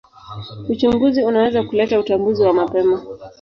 Uchunguzi unaweza kuleta utambuzi wa mapema.